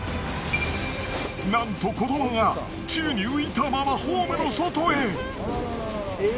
なんと子どもが宙に浮いたままホームの外へ。